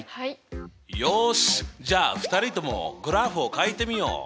よしじゃあ２人ともグラフをかいてみよう！